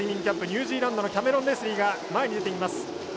ニュージーランドのキャメロン・レスリーが前に出ています。